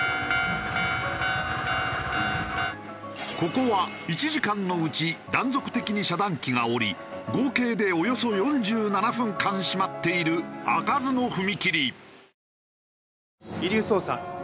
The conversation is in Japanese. ここは１時間のうち断続的に遮断機が下り合計でおよそ４７分間閉まっている開かずの踏切。